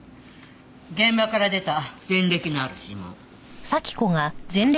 現場から出た前歴のある指紋。